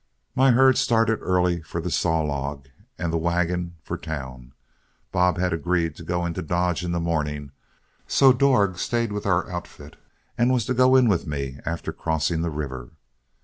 My herd started early for the Saw Log, and the wagon for town. Bob had agreed to go into Dodge in the morning, so Dorg stayed with our outfit and was to go in with me after crossing the river.